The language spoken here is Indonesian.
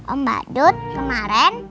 om badut kemaren